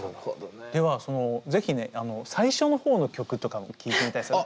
では是非ね最初の方の曲とかも聴いてみたいですね。